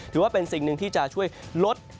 ถือว่าเป็นสิ่งนึงที่จะช่วยลดความสูญเสีย